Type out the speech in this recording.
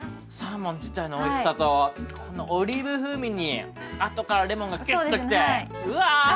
サーモン自体のおいしさとこのオリーブ風味に後からレモンがきゅっときてうわあ！